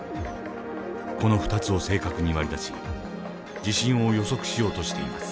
この２つを正確に割り出し地震を予測しようとしています。